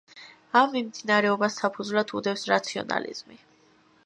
ამ მიმდინარეობას საფუძვლად უდევს რაციონალიზმი.